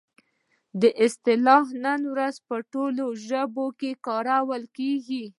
دا اصطلاح نن ورځ په ټولو ژبو کې کارول کیږي.